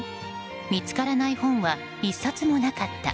見つからない本は１冊もなかった。